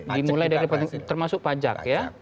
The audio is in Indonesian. dimulai dari termasuk pajak